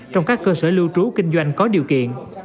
trong các cơ sở lưu trú kinh doanh có điều kiện